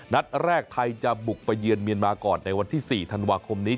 นัดแรกไทยจะบุกไปเยือนเมียนมาก่อนในวันที่๔ธันวาคมนี้